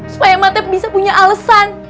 supaya emak teh bisa punya alesan